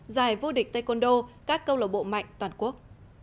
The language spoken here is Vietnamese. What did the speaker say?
giải vô địch taekwondo các câu lạc bộ mạnh toàn quốc